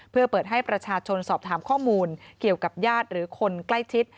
เพื่อเปิดให้ประชาชนสอบถามข้อมูลเกี่ยวกับญาติหรือคนใกล้ชิด